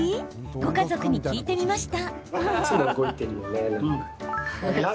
ご家族に聞いてみました。